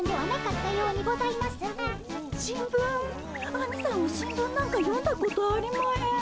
アニさんは新聞なんか読んだことありまへん。